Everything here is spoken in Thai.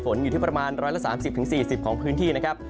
อยู่ที่ประมาณ๑๓๐๔๐ของพื้นที่นะครับ